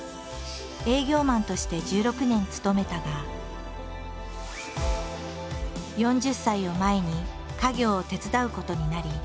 営業マンとして１６年勤めたが４０歳を前に家業を手伝うことになり会社を退職。